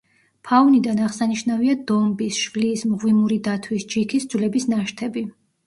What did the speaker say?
ფაუნიდან აღსანიშნავია დომბის, შვლის, მღვიმური დათვის, ჯიქის ძვლების ნაშთები.